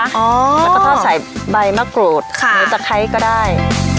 แล้วก็ทอดใส่ใบมะกรูดหรือตะไคร้ก็ได้